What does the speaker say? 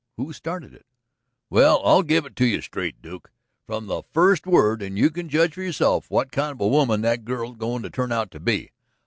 "Who started it?" "Well, I'll give it to you straight, Duke, from the first word, and you can judge for yourself what kind of a woman that girl's goin' to turn out to be.